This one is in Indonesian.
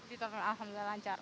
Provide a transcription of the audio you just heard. di tolnya lancar